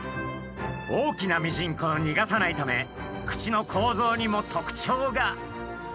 大きなミジンコをにがさないため口の構造にもとくちょうが。